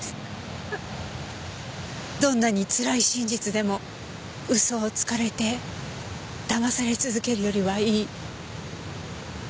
どんなにつらい真実でも嘘をつかれてだまされ続けるよりはいい。